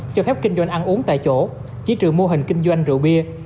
cho phép kinh doanh ăn uống tại chỗ chỉ trừ mô hình kinh doanh rượu bia